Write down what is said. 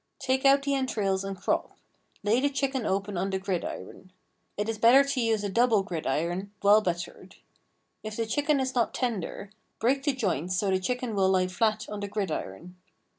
Take out the entrails and crop; lay the chicken open on the gridiron. It is better to use a double gridiron, well buttered. If the chicken is not tender, break the joints so the chicken will lie flat on the gridiron.